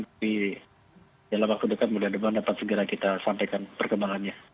tapi dalam waktu dekat mudah mudahan dapat segera kita sampaikan perkembangannya